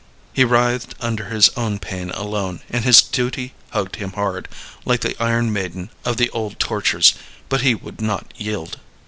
He writhed under his own pain alone, and his duty hugged him hard, like the iron maiden of the old tortures, but he would not yield.